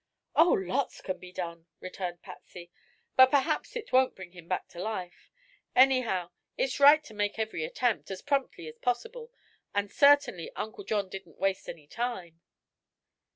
"Oh, lots can be done," returned Patsy; "but perhaps it won't bring him back to life. Anyhow, it's right to make every attempt, as promptly as possible, and certainly Uncle John didn't waste any time."